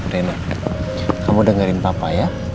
deno kamu dengerin papa ya